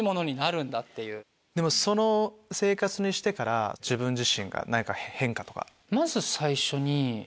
その生活にしてから自分自身が何か変化とか。